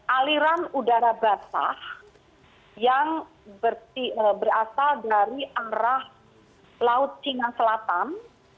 aliran udara basah yang berasal dari arah laut cina selatan